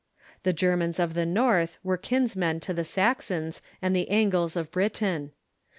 The Germans of the North were kinsmen to the Saxons and the Angles of Britain.